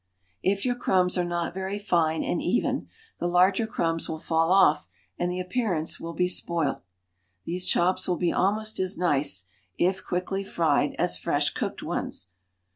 If your crumbs are not very fine and even, the larger crumbs will fall off, and the appearance be spoilt. These chops will be almost as nice, if quickly fried, as fresh cooked ones.